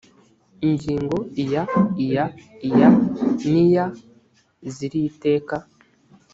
ngingo iya iya iya n iya z iri teka